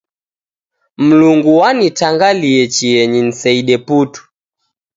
Mlungu wanitangalie chienyi niseide putu.